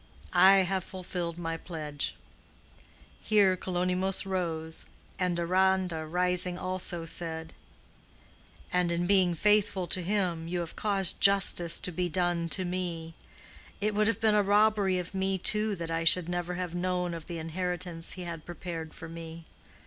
I have fulfilled my pledge." Here Kalonymos rose, and Deronda, rising also, said, "And in being faithful to him you have caused justice to be done to me. It would have been a robbery of me too that I should never have known of the inheritance he had prepared for me.